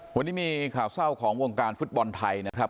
วันนี้มีข่าวเศร้าของวงการฟุตบอลไทยนะครับ